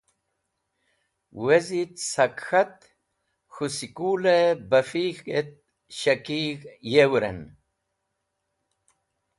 Wezit, sak k̃hat k̃hũ skulẽ bafig̃hẽt shakig̃h yewrẽn.